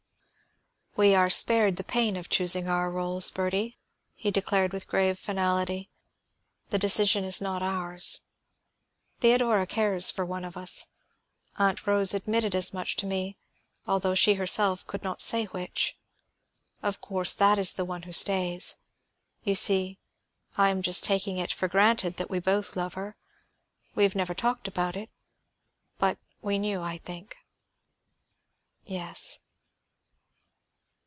"We are spared the pain of choosing our rôles, Bertie," he declared with grave finality. "The decision is not ours. Theodora cares for one of us. Aunt Rose admitted as much to me, although she herself could not say which. Of course that one is the one who stays. You see I am just taking it for granted that we both love her. We have never talked about it, but we knew, I think." "Yes."